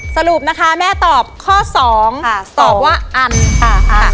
สรุปนะคะแม่ตอบข้อสองค่ะตอบว่าอันค่ะ